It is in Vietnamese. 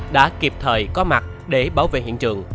đã kịp thời có mặt để bảo vệ hiện trường